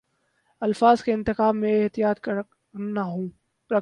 الفاظ کے انتخاب میں احتیاط رکھتا ہوں